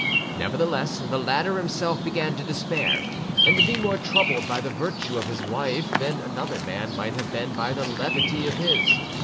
Nevertheless, the latter himself began to despair, and to be more troubled by the virtue of his wife than another man might have been by the levity of his.